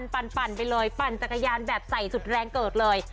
ปั่นไปเลยปั่นจักรยานแบบใส่สุดแรงเกิดเลย